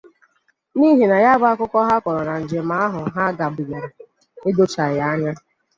N'ihi na ya bụ akụkọ ha kọrọ nà njem ahụ ha bàgidere edochaghị anya